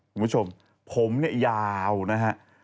คุณผู้ชมผมเนี่ยยาวนะฮะ